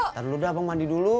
ntar lu dah bang mandi dulu